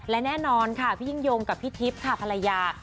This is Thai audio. และแน่นอนค่ะพี่ยิ่งยงกับพี่ทิพย์ค่ะภรรยา